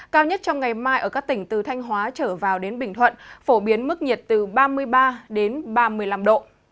cao nhất trong ngày mai ở các tỉnh từ thanh hóa trở vào đến bình thuận phổ biến mức nhiệt từ ba mươi ba đến ba mươi năm độ